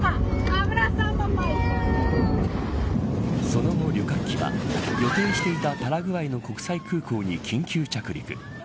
その後、旅客機は予定していたパラグアイの国際空港に緊急着陸。